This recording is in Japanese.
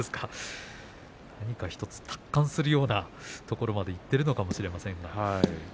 何か、達観するようなところに行っているのかもしれません